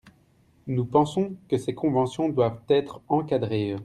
Nous pensons que ces conventions doivent être encadrées.